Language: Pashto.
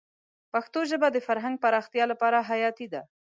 پښتو ژبه د فرهنګ پراختیا لپاره حیاتي ده.